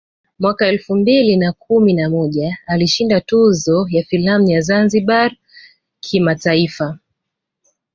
Mwaka elfu mbili na kumi na moja alishinda tuzo ya filamu ya ZanzibarI kimataifa